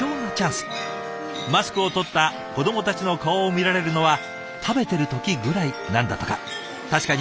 マスクをとった子どもたちの顔を見られるのは食べてる時ぐらいなんだとか。